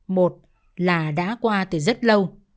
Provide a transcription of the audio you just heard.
một là đã qua từ rất lâu